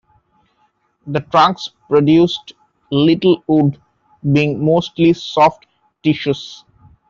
The trunks produced little wood, being mostly soft tissues.